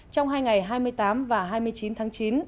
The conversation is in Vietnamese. trong hai ngày hai mươi tám và hai mươi chín tháng chín